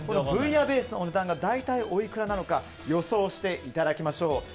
ブイヤベースのお値段が大体おいくらなのか予想していただきましょう。